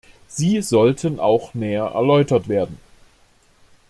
Sie sollten auch näher erläutert werden.